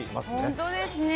本当ですね。